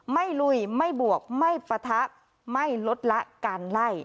ลุยไม่บวกไม่ปะทะไม่ลดละการไล่